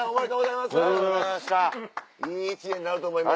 いい一年になると思います。